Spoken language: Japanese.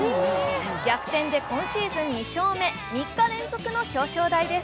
逆転で今シーズン２勝目、３日連続の表彰台です。